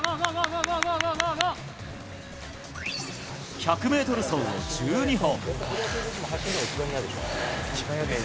１００メートル走を１２本。